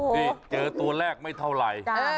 นี่เจอตัวแรกไม่เท่าไหร่